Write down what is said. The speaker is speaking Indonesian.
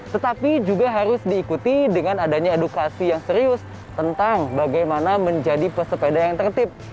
tetapi juga harus diikuti dengan adanya edukasi yang serius tentang bagaimana menjadi pesepeda yang tertib